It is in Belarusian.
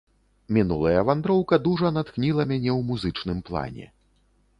Мінулая вандроўка дужа натхніла мяне ў музычным плане.